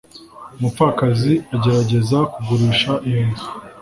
umupfakazi agerageza kugurisha iyo nzu